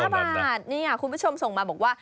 ๕บาทนี่คุณผู้ชมส่งมาบอกว่า